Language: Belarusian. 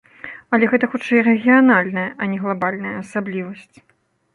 Але гэта хутчэй рэгіянальная, а не глабальная асаблівасць.